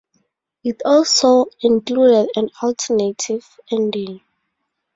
It also included an alternative ending.